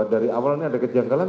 dari awalnya ada kejangkalan